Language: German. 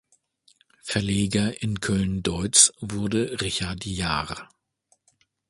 Verleger in Köln-Deutz wurde Richard Jahr.